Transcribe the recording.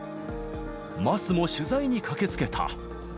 桝も取材に駆けつけた。